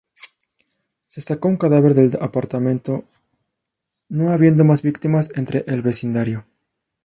Se sacó un cadáver del apartamento, no habiendo más víctimas entre el vecindario.